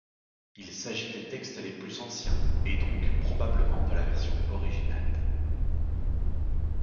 Il s'agit des textes les plus anciens, et donc probablement de la version originale.